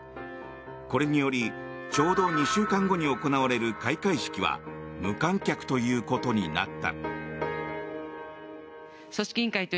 これによりちょうど２週間後に行われる開会式は無観客ということになった。